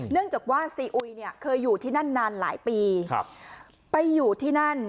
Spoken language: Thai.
เนื่องจากว่าซีอุยเนี่ยเคยอยู่ที่นั่นนานหลายปีครับไปอยู่ที่นั่น